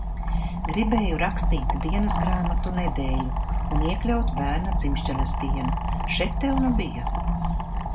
Gribēju rakstīt dienasgrāmatu nedēļu un iekļaut bērna dzimšanas dienu. Še tev nu bija.